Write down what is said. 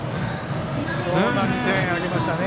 貴重な２点を挙げましたね。